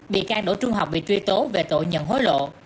bị can đỗ trung học bị truy tố về tội nhận hối lộ